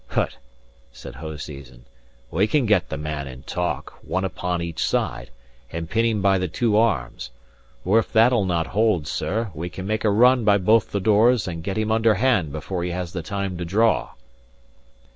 "Hut!" said Hoseason. "We can get the man in talk, one upon each side, and pin him by the two arms; or if that'll not hold, sir, we can make a run by both the doors and get him under hand before he has the time to draw."